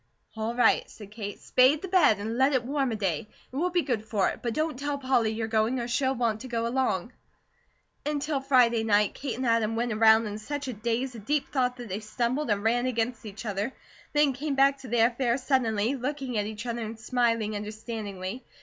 "All right," said Kate. "Spade the bed, and let it warm a day. It will be good for it. But don't tell Polly you're going, or she'll want to go along." Until Friday night, Kate and Adam went around in such a daze of deep thought that they stumbled, and ran against each other; then came back to their affairs suddenly, looking at each other and smiling understandingly.